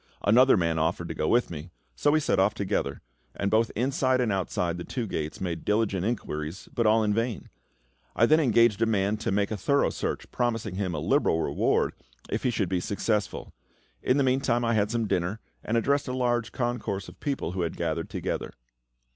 Another man offered to go with me, so we set off together, and both inside and outside the two gates made diligent inquiries, but all in vain. I then engaged a man to make a thorough search, promising him a liberal reward if he should be successful. In the meantime I had some dinner, and addressed a large concourse of people who had gathered together.